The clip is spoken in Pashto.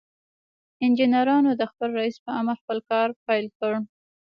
انجنيرانو د خپل رئيس په امر خپل کار پيل کړ.